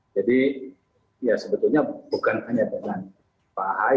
jadi ya sebetulnya bukan hanya dengan pak ahy